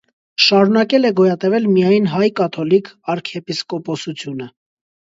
Շարունակել է գոյատևել միայն հայ կաթոլիկ արքեպիսկոպոսությունը։